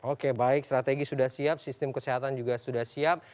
oke baik strategi sudah siap sistem kesehatan juga sudah siap